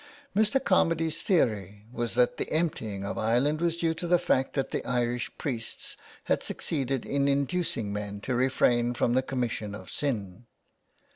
Mr. Carmady 's theory was that the emptying of Ireland was due to the fact that the Irish priests had succeeded in inducing men to refrain from the commission of sin.